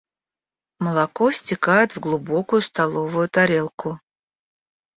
Молоко стекает в глубокую столовую тарелку.